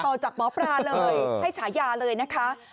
จากหมอปลาเลยให้ฉายาเลยนะคะ